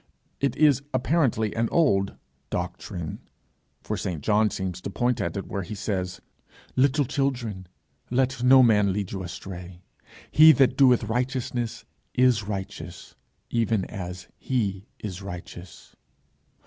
It is apparently an old 'doctrine;' for St. John seems to point at it where he says, 'Little children, let no man lead you astray; he that doeth righteousness is righteous even as he is righteous.'